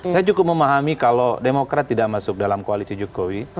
saya cukup memahami kalau demokrat tidak masuk dalam koalisi jokowi